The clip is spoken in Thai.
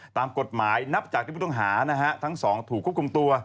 ตามกฎหมายนับจากที่ผู้ต้องหานะฮะทั้งสองถูกควบคุมตัว